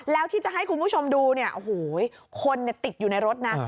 แล้วที่จะให้คุณผู้ชมดูคนติดอยู่ในรถนะ